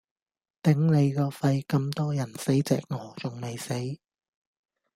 頂你個肺，咁多人死隻鵝仲未死